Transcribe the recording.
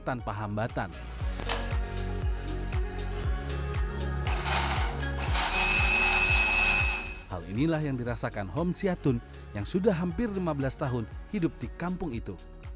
tanpa hambatan hal inilah yang dirasakan homsyadun yang sudah hampir lima belas tahun hidup di kampung itu